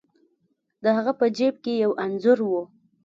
د هغه په جیب کې یو انځور و.